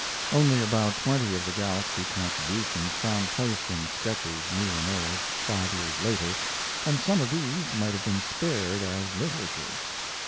Only about twenty of the Galaxy contributions found place in Sketches New and Old, five years later, and some of these might have been spared as literature.